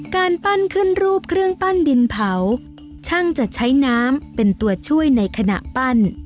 การปั้นขึ้นรูปเครื่องปั้นดินเผาช่างจะใช้น้ำเป็นตัวช่วยในขณะปั้น